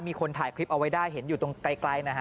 มีคนถ่ายคลิปเอาไว้ได้เห็นอยู่ตรงไกลนะฮะ